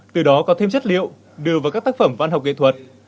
từ đó có thêm chất liệu đưa vào các tác phẩm văn học nghệ thuật